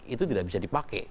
itu tidak bisa dipakai